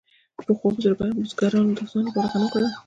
پخوا بزګرانو د ځان لپاره غنم کرل.